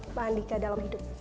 mbak andika dalam hidup